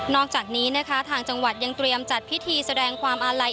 อกจากนี้นะคะทางจังหวัดยังเตรียมจัดพิธีแสดงความอาลัย